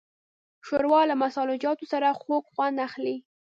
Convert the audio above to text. ښوروا له مسالهجاتو سره خوږ خوند اخلي.